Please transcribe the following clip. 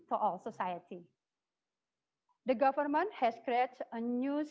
adalah untuk memberikan transfer kas